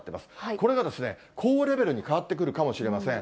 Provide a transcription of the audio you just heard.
これが高レベルに変わってくるかもしれません。